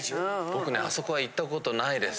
僕ねあそこは行ったことないです。